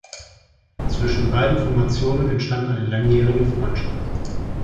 Zwischen beiden Formationen entstand eine langjährige Freundschaft.